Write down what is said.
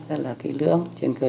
rất là kỹ lưỡng trên cơ sở